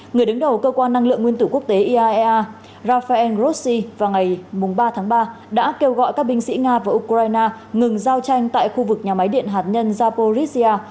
người đứng đầu cơ quan năng lượng nguyên tử quốc tế iaea rafael grossi vào ngày ba tháng ba đã kêu gọi các binh sĩ nga và ukraine ngừng giao tranh tại khu vực nhà máy điện hạt nhân zaporizhia